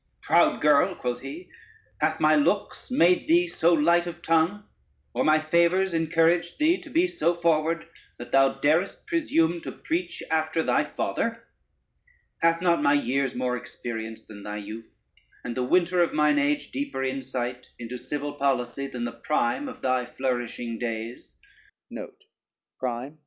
] "Proud girl," quoth he, "hath my looks made thee so light of tongue, or my favors encouraged thee to be so forward, that thou darest presume to preach after thy father? Hath not my years more experience than thy youth, and the winter of mine age deeper insight into civil policy, than the prime of thy flourishing days?